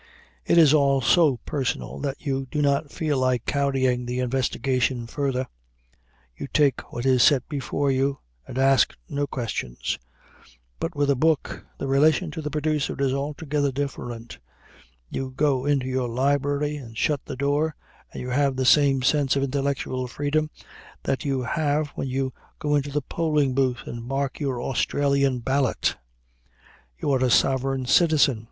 It is all so personal that you do not feel like carrying the investigation further. You take what is set before you and ask no questions. But with a book the relation to the producer is altogether different. You go into your library and shut the door, and you have the same sense of intellectual freedom that you have when you go into the polling booth and mark your Australian ballot. You are a sovereign citizen.